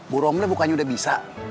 bu romli bukannya udah bisa